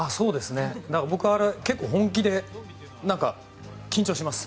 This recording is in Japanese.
だから、僕結構、本気で緊張します。